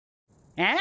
えっ？